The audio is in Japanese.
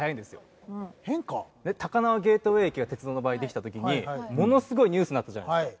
高輪ゲートウェイ駅が鉄道の場合できた時にものすごいニュースになったじゃないですか。